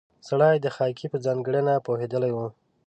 سړی د خاکې په ځانګړنه پوهېدلی و.